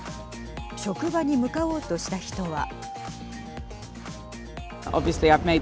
職場に向かおうとした人は。